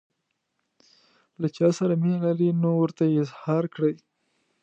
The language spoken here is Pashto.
له چا سره مینه لرئ نو ورته یې اظهار کړئ.